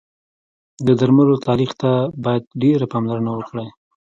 د درملو تاریخ ته باید ډېر پاملرنه وکړی